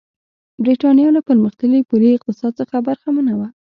برېټانیا له پرمختللي پولي اقتصاد څخه برخمنه وه.